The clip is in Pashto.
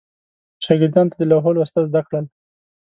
شاګردانو ته د لوحو لوستل زده کړل.